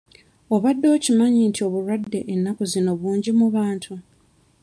Obadde okimanyi nti obulwadde ennaku zino bungi mu bantu?